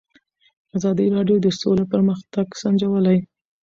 ازادي راډیو د سوله پرمختګ سنجولی.